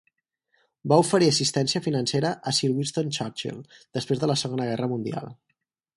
Va oferir assistència financera a Sir Winston Churchill després de la Segona Guerra Mundial.